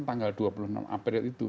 tanggal dua puluh enam april itu